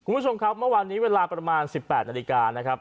คุณผู้ชมครับเมื่อวานนี้เวลาประมาณ๑๘นาฬิกานะครับ